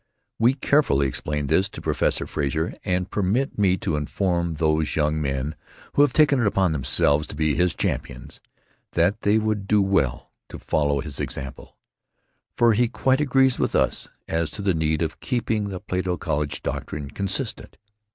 "We carefully explained this to Professor Frazer, and permit me to inform those young men who have taken it upon themselves to be his champions, that they would do well to follow his example! For he quite agrees with us as to the need of keeping the Plato College doctrine consistent.